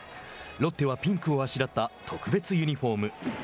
ロッテはピンクをあしらった特別ユニホーム。